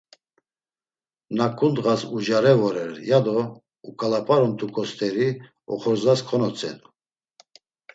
Naǩu ndğas ucare vore, yado uǩalap̌aramt̆uǩo st̆eri oxorzas konotzedu.